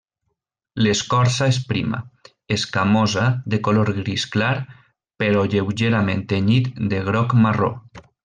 L'escorça és prima, escamosa, de color gris clar, però lleugerament tenyit de groc-marró.